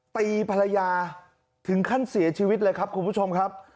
ตีภรรยาถึงขั้นเสียชีวิตเลยครับคุณผู้ชมครับ